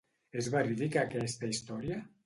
És verídica aquesta història?